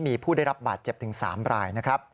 มีผู้ได้รับบาดเจ็บถึง๓รายนะครับ